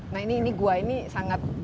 nah ini gua ini sangat